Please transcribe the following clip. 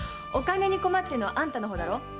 お金に困ってんのはあんたの方だろ？